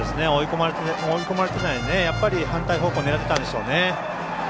追い込まれても反対方向に狙ってたんでしょうね。